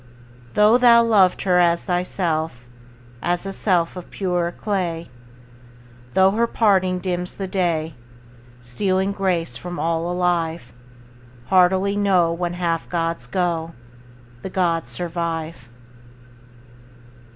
Though thou loved her as thyself, As a self of purer clay, Though her parting dims the day, Stealing grace from all alive; Heartily know, When half gods go, The gods survive.